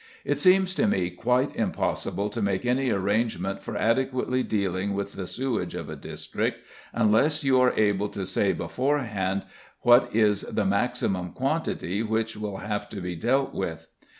It seems to me quite impossible to make any arrangement for adequately dealing with the sewage of a district, unless you are able to say beforehand what is the maximum quantity which will have to be dealt with.